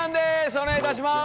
お願いいたします。